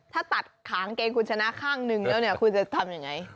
ถ้าตัดขางเกงคุณชนะข้างหนึ่งแล้วเนี่ยคุณจะทำยังไง